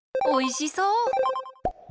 おいしそう！